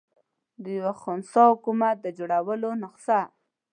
د یوه خنثی حکومت د جوړېدلو نسخه.